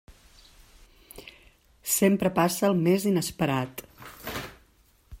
Sempre passa el més inesperat.